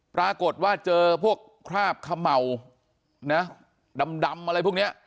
ปรากฏว่าเจอพวกคราบเขม่านะดำอะไรพวกนี้